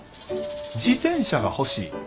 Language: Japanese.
自転車が欲しい？